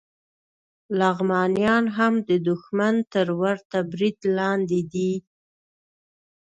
لغمانیان هم د دښمن تر ورته برید لاندې دي